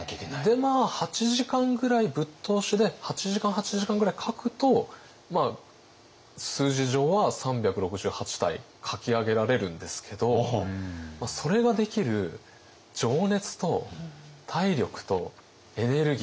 で８時間ぐらいぶっ通しで８時間８時間ぐらい描くと数字上は３６８体描き上げられるんですけどそれができる情熱と体力とエネルギー。